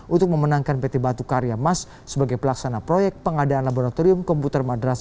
untuk memenangkan pt batu karya mas sebagai pelaksana proyek pengadaan laboratorium komputer madrasa